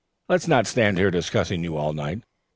"Let's not stand here discussing you all night.